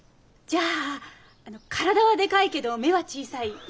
じゃあ体はでかいけど目は小さい。